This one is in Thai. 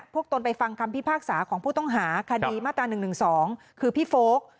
ตนไปฟังคำพิพากษาของผู้ต้องหาคดีมาตรา๑๑๒คือพี่โฟลก